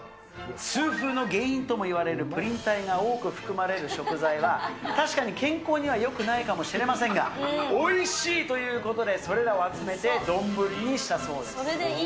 痛風の原因ともいわれるプリン体が多く含まれる食材は、確かに健康にはよくないかもしれませんが、おいしいということで、それらを集めて、丼にしたそうでそれでいい。